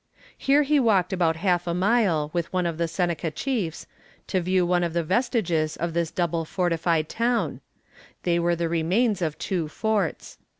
Here he walked about half a mile with one of the Seneca chiefs, to view one of the vestiges of this double fortified town: they were the remains of two forts.